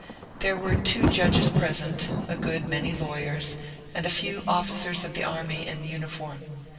There were two judges present, a good many lawyers, and a few officers of the army in uniform.